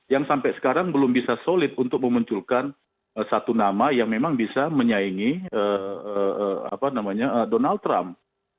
yang sampai sekarang belum bisa solid untuk memunculkan satu nama yang memang bisa menyaingi donald trump